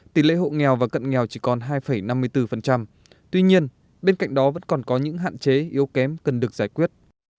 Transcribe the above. tỷ lệ hộ nghèo và cận nghèo chỉ còn hai năm mươi bốn tuy nhiên bên cạnh đó vẫn còn có những hạn chế yếu kém cần được giải quyết